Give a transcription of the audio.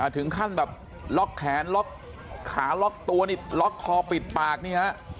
ถึงขั้นแบบล็อกแขนล็อกขาล็อกตัวนี่ล็อกคอปิดปากนี่ฮะ